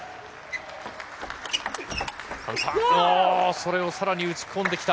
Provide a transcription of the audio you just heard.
それを更に打ち込んできた。